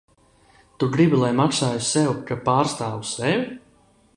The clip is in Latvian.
Tu gribi, lai maksāju sev, ka pārstāvu sevi?